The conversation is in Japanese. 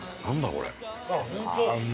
これ。